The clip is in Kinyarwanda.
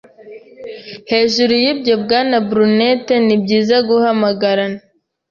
Hejuru y'ibyo Bwana Brunett Nibyiza guhamagara a